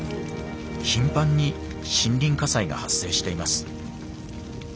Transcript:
頻繁に森林火災が発生しています。